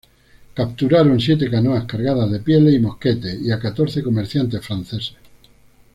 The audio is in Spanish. Capturaron siete canoas cargadas de pieles y mosquetes y a catorce comerciantes franceses.